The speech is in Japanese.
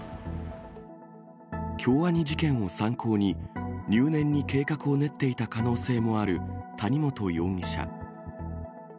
京アニ事件を参考に、入念に計画を練っていた可能性もある谷本容疑者。